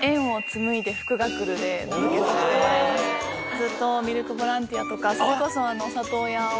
ずっとミルクボランティアとかそれこそ里親を。